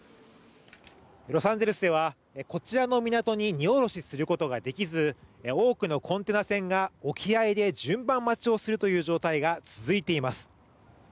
ロサンゼルスではこちらの港に荷降ろしすることができず、多くのコンテナ船が沖合で順番待ちをするという状態が続いています。